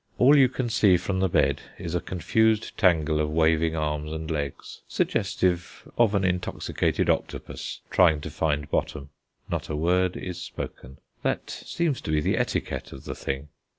All you can see from the bed is a confused tangle of waving arms and legs, suggestive of an intoxicated octopus trying to find bottom. Not a word is spoken; that seems to be the etiquette of the thing.